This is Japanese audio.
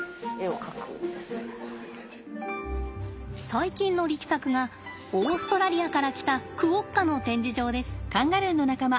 最近の力作がオーストラリアから来たクオッカの展示場です。